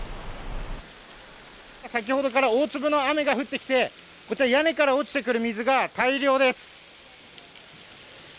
先ほどから大粒の雨が降ってきて屋根から落ちてくる水が大量です。